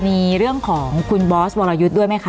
มีเรื่องของคุณบอสวรยุทธ์ด้วยไหมคะ